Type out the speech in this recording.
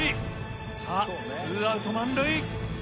さあツーアウト満塁。